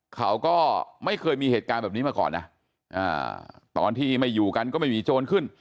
เขาก็ไม่เคยมีเหตุการณ์แบบนี้มาก่อนนะตอนที่ไม่อยู่กันก็ไม่มีโจรขึ้น